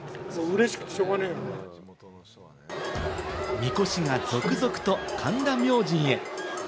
みこしが続々と神田明神へ。